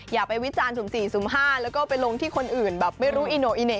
อย่าไปวิจารณ์สุ่ม๔สุ่ม๕แล้วก็ไปลงที่คนอื่นแบบไม่รู้อีโน่อีเหน่